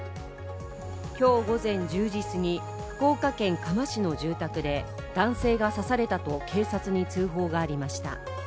今日午前１０時過ぎ、福岡県嘉麻市の住宅で男性が刺されたと警察に通報がありました。